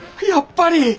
やっぱり！